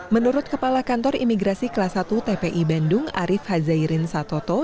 menurut kepala kantor imigrasi kelas satu tpi bandung arief hazairin satoto